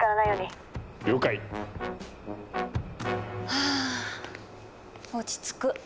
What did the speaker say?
はぁ落ち着く。